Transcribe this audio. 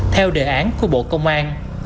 theo đề án của bộ công an